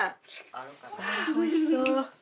あぁおいしそう。